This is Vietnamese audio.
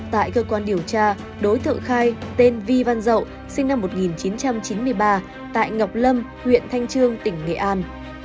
tại cơ quan điều tra đối tượng khai tên vi văn dậu sinh năm một nghìn chín trăm chín mươi ba tại ngọc lâm huyện thanh trương tỉnh nghệ an